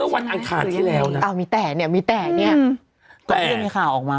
วันอังคารที่แล้วนะอ้าวมีแต่เนี่ยมีแต่เนี่ยก็ไม่ได้มีข่าวออกมา